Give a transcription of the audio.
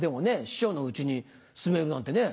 師匠の家に住めるなんてね。